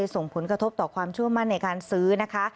ส่งผลกระทบต่อความเชื่อมั่นในการซื้อนะคะ